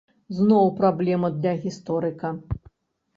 Зноў праблема для гісторыка.